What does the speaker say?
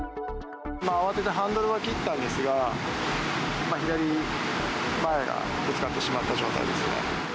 慌ててハンドルは切ったんですが、左前がぶつかってしまった状態ですね。